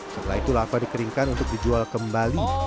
setelah itu lava dikeringkan untuk dijual kembali